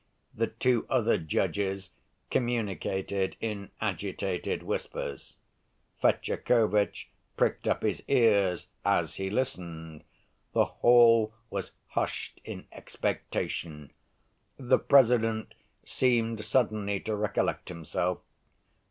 The two other judges communicated in agitated whispers. Fetyukovitch pricked up his ears as he listened: the hall was hushed in expectation. The President seemed suddenly to recollect himself.